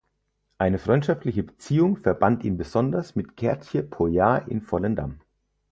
Eine freundschaftliche Beziehung verband ihn besonders mit Geertje Pooyar in Volendam.